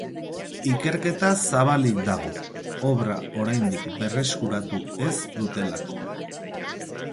Ikerketa zabalik dago, obra oraindik berreskuratu ez dutelako.